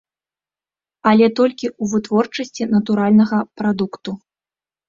Але толькі ў вытворчасці натуральнага прадукту.